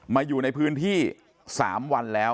อยู่ในพื้นที่๓วันแล้ว